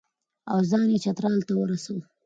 او ځان یې چترال ته ورساوه.